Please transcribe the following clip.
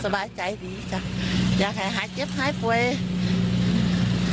สบายใจดีค่ะอยากให้ฮาท์เจ็บให้ฟวี